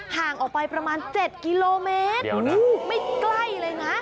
ห่างออกไปประมาณ๗กิโลเมตรไม่ใกล้เลยนะ